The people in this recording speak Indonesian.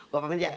gua pamit ya